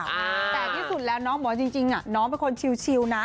แต่ที่สุดแล้วน้องบอกว่าจริงน้องเป็นคนชิวนะ